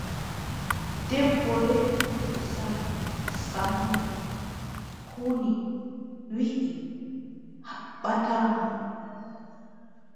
Debbo reeduujo Sali, Sammbo huni wiʼi haɓɓataa mo.